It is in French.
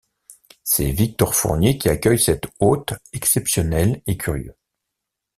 C'est Victor Fournier qui accueille cet hôte exceptionnel et curieux.